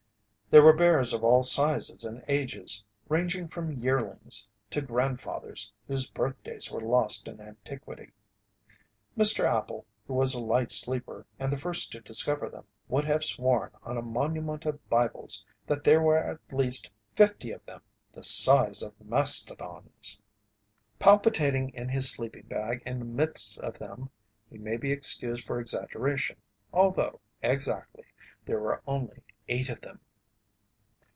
There were bears of all sizes and ages, ranging from yearlings to grandfathers whose birthdays were lost in antiquity. Mr. Appel, who was a light sleeper and the first to discover them, would have sworn on a monument of Bibles that there were at least fifty of them the size of mastodons. Palpitating in his sleeping bag in the midst of them, he may be excused for exaggeration, although, exactly, there were only eight of them.